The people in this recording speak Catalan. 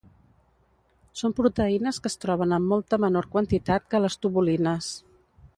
Són proteïnes que es troben en molta menor quantitat que les tubulines.